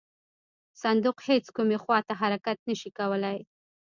صندوق هیڅ کومې خواته حرکت نه شي کولی.